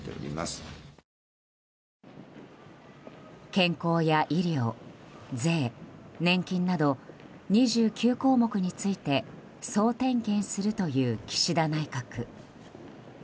健康や医療、税、年金など２９項目について総点検するという岸田内閣。